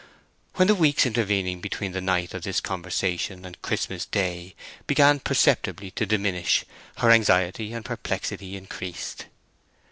When the weeks intervening between the night of this conversation and Christmas day began perceptibly to diminish, her anxiety and perplexity increased.